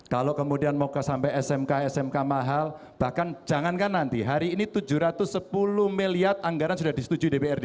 kalau kemudian mau sampai smk smk mahal bahkan jangankan nanti hari ini tujuh ratus sepuluh miliar anggaran sudah disetujui dprd